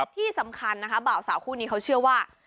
ที่สำคัญนะคะบ่าวสาวคู่นี้เขาเชื่อว่า